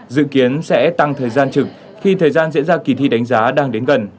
dự kiến sẽ tăng thời gian trực khi thời gian diễn ra kỳ thi đánh giá đang đến gần